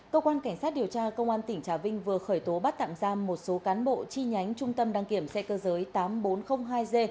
cơ quan cảnh sát điều tra công an tỉnh trà vinh vừa khởi tố bắt tạm giam một số cán bộ chi nhánh trung tâm đăng kiểm xe cơ giới tám nghìn bốn trăm linh hai g